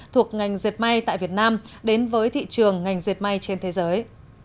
thuộc ngành dệt may tại việt nam đến với thị trường ngành diệt may trên thế giới